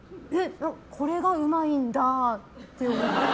これがうまいんだって。